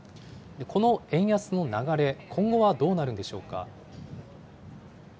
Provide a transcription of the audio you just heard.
この円安の流れ、今後はどうなるんでしょうか。